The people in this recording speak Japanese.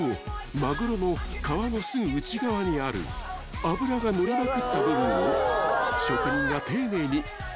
マグロの皮のすぐ内側にある脂が乗りまくった部分を職人が丁寧にかき出して作るため